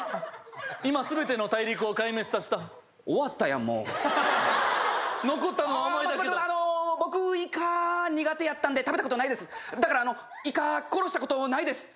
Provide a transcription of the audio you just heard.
今全ての大陸を壊滅させた終わったやんもう残ったのはお前だけだ待って待ってあの僕イカ苦手やったんで食べたことないですだからイカ殺したことないです